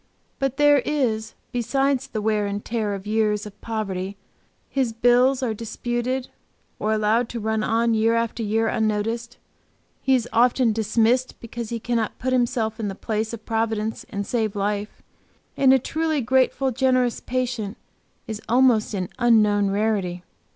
But there is besides the wear and tear of years of poverty; his bills are disputed or allowed to run on year after year unnoticed; he is often dismissed because he cannot put himself in the place of Providence and save life, and a truly grateful, generous patient is almost an unknown rarity.